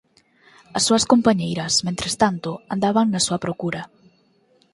As súas compañeiras mentres tanto andaban na súa procura.